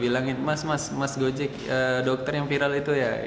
bilangin mas mas mas gojek dokter yang viral itu ya